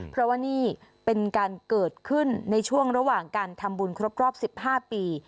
เพราะว่านี่เป็นการเกิดขึ้นในช่วงระหว่างการทำบุญครบรอบ๑๕ปี